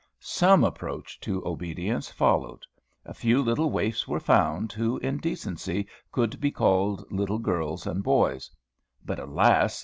Some approach to obedience followed. A few little waifs were found, who in decency could be called little girls and boys. But, alas!